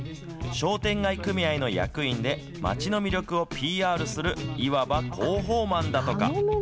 商店街組合の役員で、町の魅力をＰＲする、いわば広報マンだとか。